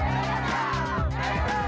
hidup ujang hidup ujang